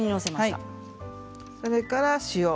それから、塩。